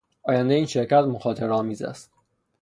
آیندهی این شرکت مخاطرهآمیز است.